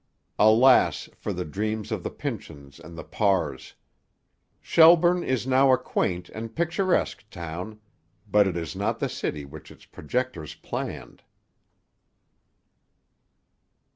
Alas for the dreams of the Pynchons and the Parrs! Shelburne is now a quaint and picturesque town; but it is not the city which its projectors planned.